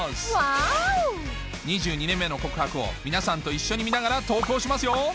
『２２年目の告白』を皆さんと一緒に見ながら投稿しますよ